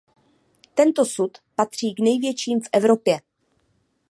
Tento sud patří k největším v Evropě.